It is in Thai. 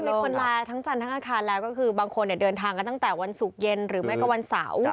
มีคนลาทั้งจันทร์ทั้งอาคารแล้วก็คือบางคนเดินทางกันตั้งแต่วันศุกร์เย็นหรือไม่ก็วันเสาร์